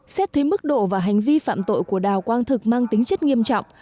xét thấy mức độ và hành vi phạm tội của đào quang thực mang tính chất nghiêm trọng